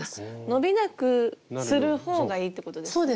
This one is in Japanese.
伸びなくするほうがいいってことですね。